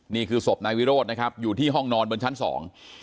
นี่คือศพนายวิโรธนะครับอยู่ที่ห้องนอนบนชั้นสอง